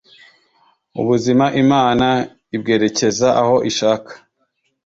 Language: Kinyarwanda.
ubuzima Imana ibwerecyeza aho ishaka”